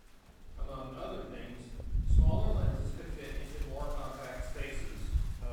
Among other things, smaller lenses could fit into more compact spaces.